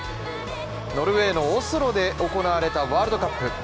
ノルウェーのオスロで行われたワールドカップ。